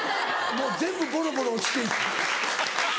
もう全部ボロボロ落ちて。